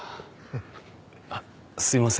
あっすいません。